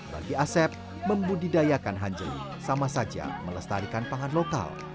bagi asep membudidayakan hanjeli sama saja melestarikan pangan lokal